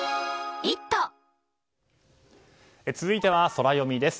続いてはソラよみです。